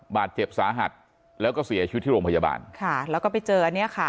บาดเจ็บสาหัสแล้วก็เสียชีวิตที่โรงพยาบาลค่ะแล้วก็ไปเจออันนี้ค่ะ